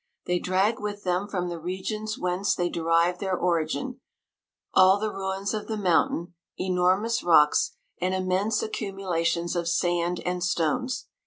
They drag with them from the regions whence they derive their origin, all the ruins of the mountain, enormous rocks, and im mense accumulations of sand and stones.